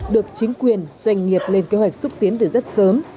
được chính quyền doanh nghiệp lên kế hoạch xúc tiến từ rất sớm